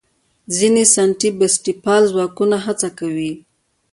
ځینې سنتي بنسټپال ځواکونه هڅه کوي.